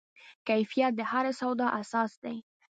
کیفیت د هرې سودا اساس دی.